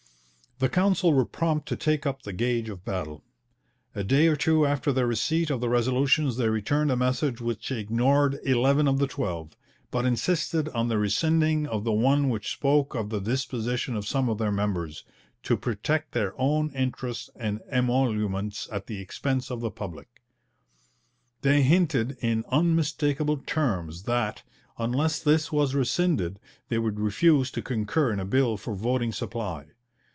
The Council were prompt to take up the gage of battle. A day or two after their receipt of the resolutions they returned a message which ignored eleven of the twelve, but insisted on the rescinding of the one which spoke of the disposition of some of their members 'to protect their own interests and emoluments at the expense of the public.' They hinted in unmistakable terms that, unless this was rescinded, they would refuse to concur in a bill for voting supply.